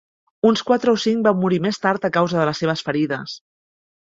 Uns quatre o cinc van morir més tard a causa de les seves ferides.